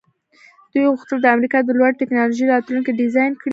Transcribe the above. دوی غوښتل د امریکا د لوړې ټیکنالوژۍ راتلونکی ډیزاین کړي